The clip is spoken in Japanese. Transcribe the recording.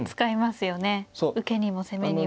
受けにも攻めにも。